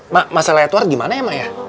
mak masalah edward gimana ya mak ya